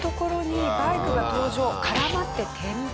絡まって転倒。